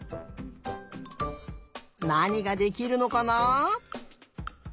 なにができるのかなあ？